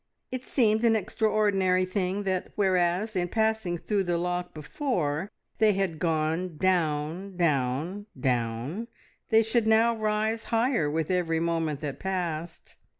It seemed an extraordinary thing that, whereas, in passing through the lock before they had gone down, down, down, they should now rise higher with every moment that passed.